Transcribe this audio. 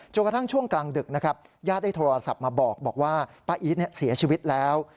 กระทั่งช่วงกลางดึกนะครับญาติได้โทรศัพท์มาบอกว่าป้าอีทเสียชีวิตแล้ว